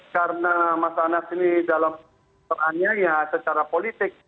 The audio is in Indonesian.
karena mas anas ini dalam perannya ya secara politik